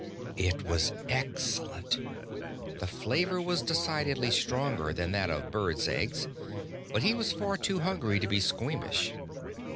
It was excellent. The flavor was decidedly stronger than that of birds' eggs, but he was far too hungry to be squeamish.